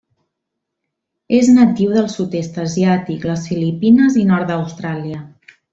És natiu del sud-est asiàtic, les Filipines i nord d'Austràlia.